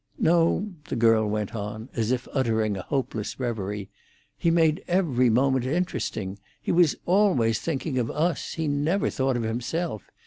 "No," the girl went on, as if uttering a hopeless reverie. "He made every moment interesting. He was always thinking of us—he never thought of himself.